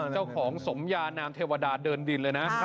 เจ้าของสมยานามเทวดาเดินดินเลยนะ